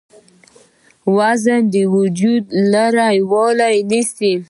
وزن د وجوده لرې نيول ،